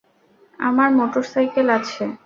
আমার মোটরসাইকেল আছে।